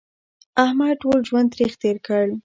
احمد ټول ژوند تریخ تېر کړ.